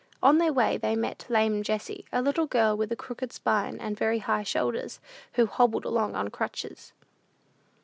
On their way they met "lame Jessie," a little girl with crooked spine and very high shoulders, who hobbled along on crutches.